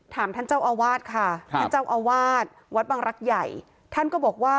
ถามท่านเจ้าอาวาสค่ะอาวาสวัดบังรักษ์ใหญ่ท่านก็บอกว่า